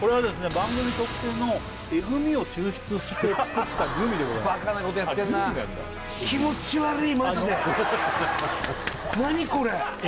番組特製のえぐみを抽出して作ったグミでございますバカなことやってんなああっグミなんだえ